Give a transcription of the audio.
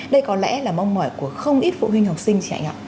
đây có lẽ là mong mỏi của không ít phụ huynh học sinh